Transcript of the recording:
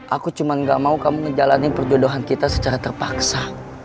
aku cuma gak mau kamu menjalani perjodohan kita secara terpaksa